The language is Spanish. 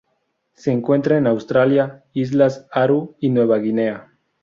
Se encuentra en Australia, islas Aru y Nueva Guinea.